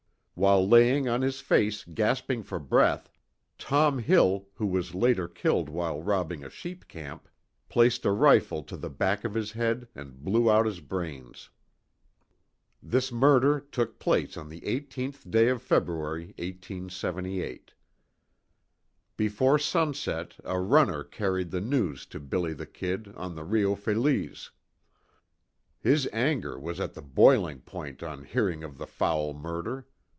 While laying on his face gasping for breath, Tom Hill, who was later killed while robbing a sheep camp, placed a rifle to the back of his head and blew out his brains. This murder took place on the 18th day of February, 1878. Before sunset a runner carried the news to "Billy the Kid," on the Rio Feliz. His anger was at the boiling point on hearing of the foul murder.